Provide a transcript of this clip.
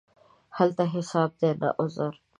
هلته حساب دی، نه عذر.